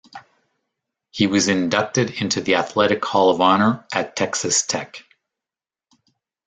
He was inducted into the Athletic Hall of Honor at Texas Tech.